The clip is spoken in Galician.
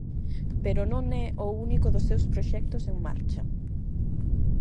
Pero non é o único dos seus proxectos en marcha.